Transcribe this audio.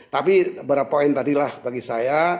tapi beberapa poin tadilah bagi saya